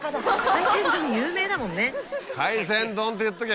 海鮮丼有名だもんね。